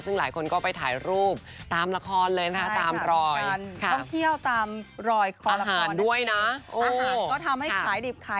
ซึ่งหลายคนก็ไปถ่ายรูปตามละครเลยนะคะ